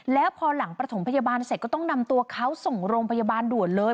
แล้วพอหลังประถมพยาบาลเสร็จก็ต้องนำตัวเขาส่งโรงพยาบาลด่วนเลย